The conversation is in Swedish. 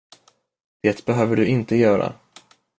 Det behöver du inte göra.